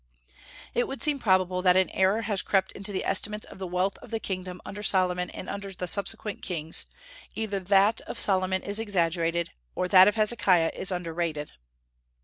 It would seem probable that an error has crept into the estimates of the wealth of the kingdom under Solomon and under the subsequent kings; either that of Solomon is exaggerated, or that of Hezekiah is underrated.